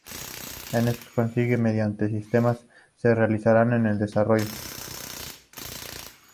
Esto se consigue mediante sistemas de señalización en el desarrollo.